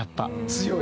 強い？